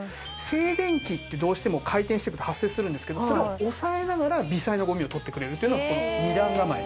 静電気ってどうしても回転してると発生するんですけどそれを抑えながら微細なゴミを取ってくれるという二段構えになってます。